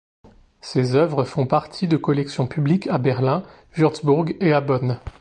Ses œuvres font partie de collections publiques à Berlin, Würzburg et à Bonn.